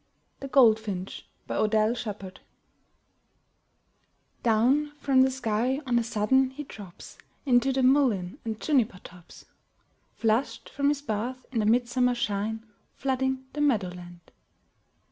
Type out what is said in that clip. THE GOLDFINCH* Odell Shepard Down from the sky on a sudden he drops ^j.<i Into the mullein and juniper tops, "^^ Flushed from his bath in the midsummer shine Flooding the meadowland.